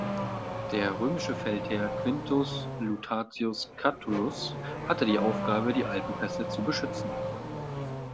Der römische Feldherr Quintus Lutatius Catulus hatte die Aufgabe, die Alpenpässe zu beschützen.